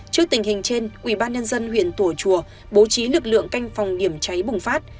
trước tình hình trên ubnd huyện tùa chùa bố trí lực lượng canh phòng điểm cháy bùng phát